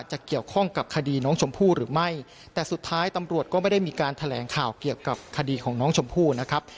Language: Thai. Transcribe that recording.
จะเกี่ยวข้องกับคดีน้องชมพู่หรือไม่แต่สุดท้ายตำรวจก็ไม่ได้มีการแถลงข่าวเกี่ยวกับคดีของน้องชมพู่นะครับ